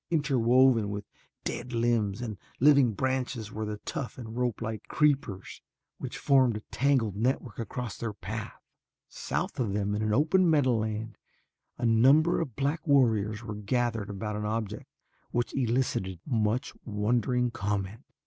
Interwoven with dead limbs and living branches were the tough and ropelike creepers which formed a tangled network across their path. South of them in an open meadowland a number of black warriors were gathered about an object which elicited much wondering comment.